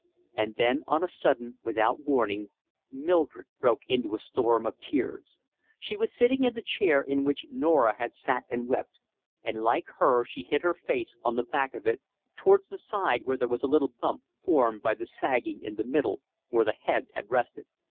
And then on a sudden, without warning, Mildred broke into a storm of tears. She was sitting in the chair in which Norah had sat and wept, and like her she hid her face on the back of it, towards the side where there was a little bump formed by the sagging in the middle, where the head had rested.